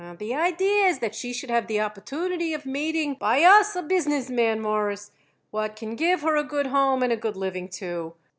"The idea is that she should have the opportunity of meeting by us a business man, Mawruss, what can give her a good home and a good living, too.